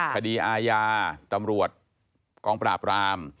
คดีอาญาตำรวจกองปราบราม